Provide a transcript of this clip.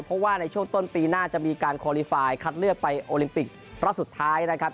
เพราะว่าในช่วงต้นปีหน้าจะมีการคอลีไฟล์คัดเลือกไปโอลิมปิกรอบสุดท้ายนะครับ